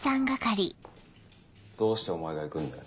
どうしてお前が行くんだよ？